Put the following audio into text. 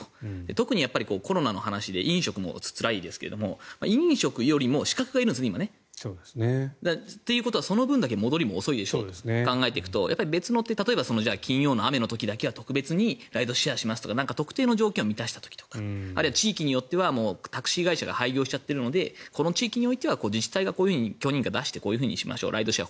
特にコロナの話で飲食もつらいですが飲食よりも資格がいるんですよね。ということはその分だけ戻りも遅いでしょうと考えると別の手、例えば金曜の雨の時だけは特別にライドシェアしますとか特定の条件を満たした時とかあるいは地域によってはタクシー会社が廃業しちゃってるのでこの地域においては自治体が許認可を出してこういうふうにしましょうライドシェア